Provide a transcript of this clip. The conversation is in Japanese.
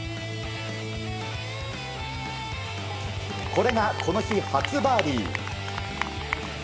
これがこの日初バーディー。